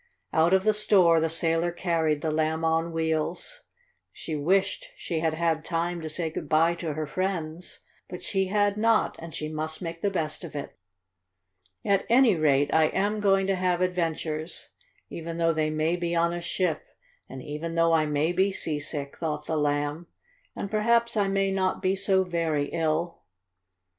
Out of the store the sailor carried the Lamb on Wheels. She wished she had had time to say good bye to her friends, but she had not, and she must make the best of it. "At any rate I am going to have adventures, even though they may be on a ship, and even though I may be seasick," thought the Lamb. "And perhaps I may not be so very ill."